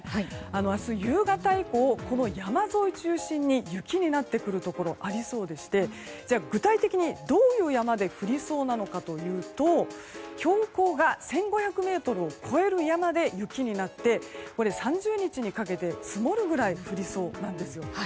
明日夕方以降、山沿い中心に雪になってくるところがありそうでしてじゃあ、具体的にどういう山で降りそうなのかというと標高が１５００ｍを超える山で雪になって３０日にかけて積もるぐらい降りそうなんですよ。